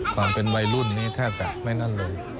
ความเป็นวัยรุ่นนี้แทบจะไม่นั่นเลย